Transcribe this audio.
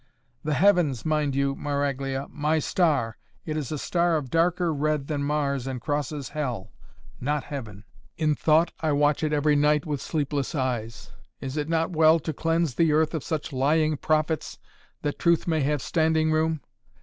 The heavens mind you, Maraglia! My star! It is a star of darker red than Mars and crosses Hell not Heaven! In thought I watch it every night with sleepless eyes. Is it not well to cleanse the earth of such lying prophets that truth may have standing room?